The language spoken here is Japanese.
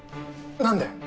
何で？